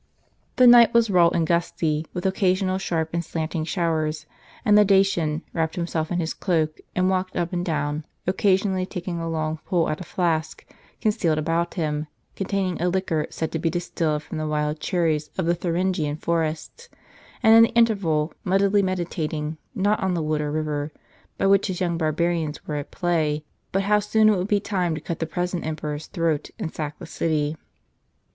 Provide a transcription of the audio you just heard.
The night was raw and gusty, with occasional sharp and slanting showers ; and the Dacian wrapped himself in his cloak, and walked up and down, occasionally taking a long pull at a flask concealed about him, containing a liquor said to be distilled from the wild cherries of the Thuringian forests ; and in the intervals muddily meditating, not on the wood or river, by which his young barbarians were at play, but how soon it would be time to cut the present emperor's throat, and sack the city.